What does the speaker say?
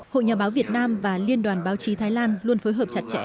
hội nhà báo việt nam và liên đoàn báo chí thái lan luôn phối hợp chặt chẽ